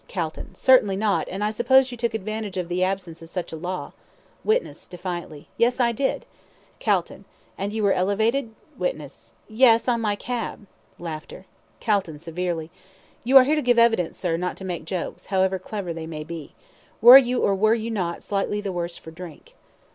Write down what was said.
CALTON: Certainly not; and I suppose you took advantage of the absence of such a law. WITNESS (defiantly): Yes, I did. CALTON: And you were elevated? WITNESS: Yes; on my cab. CALTON (severely): You are here to give evidence, sir, not to make jokes, however clever they may be. Were you, or were you not, slightly the worse for drink?